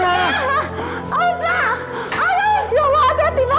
ya allah akka tiba